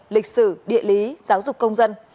lịch sử địa lý giáo dục công dân